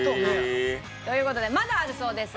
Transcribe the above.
という事でまだあるそうです。